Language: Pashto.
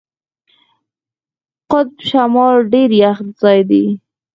قطب شمال ډېر یخ ځای دی.